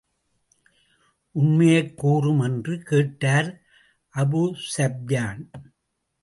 உண்மையைக் கூறும் என்று கேட்டார் அபூஸூப்யான்.